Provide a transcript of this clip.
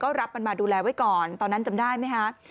ก็รับมันมาดูแลไว้ก่อนตอนนั้นจำได้ไหมคะ